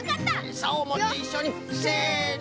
さおをもっていっしょにせの。